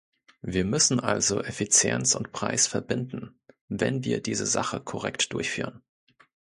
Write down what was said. Wir müssen also Effizienz und Preis verbinden, wenn wir diese Sache korrekt durchführen.